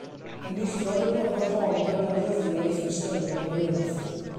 Enillodd y nofel hon Fedal Ryddiaith Eisteddfod yr Urdd.